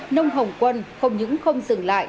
nông hồng quân không những không dừng lại